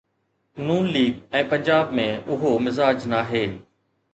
ن ليگ ۽ پنجاب ۾ اهو مزاج ناهي.